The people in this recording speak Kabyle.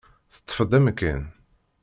Teṭṭef-d amkan.